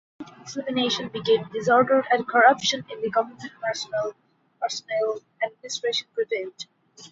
The state examination became disordered and corruption in the government personnel administration prevailed.